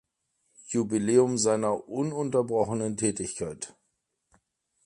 Jubiläum seiner ununterbrochenen Tätigkeit.